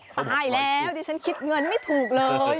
ตายแล้วดิฉันคิดเงินไม่ถูกเลย